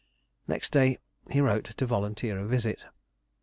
Next day he wrote to volunteer a visit.